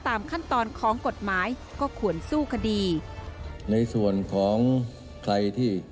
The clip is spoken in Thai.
ตามขั้นตอนของกฎหมายก็ควรสู้คดี